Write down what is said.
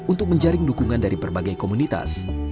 untuk menjaring dukungan dari berbagai komunitas